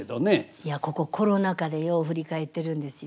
いやここコロナ禍でよう振り返ってるんですよ。